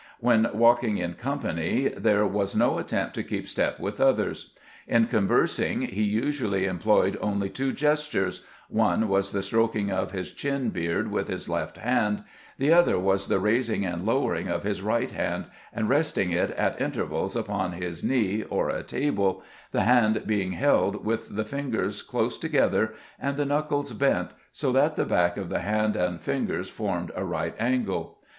When walking in company there was no attempt to keep step with others. In conversing he usually employed only two gestures ; one was the strokiug of his chin beard with his left hand; the other was the raising and lowering of his right hand, and resting it at intervals upon his knee or a table, the hand being held with the fingers close to gether and the knuckles bent, so that the back of the hand and fingers formed a right angle.